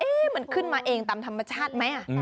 มันขึ้นมาเองตามธรรมชาติไหม